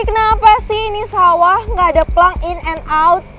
ini kenapa sih ini sawah gak ada plang in and out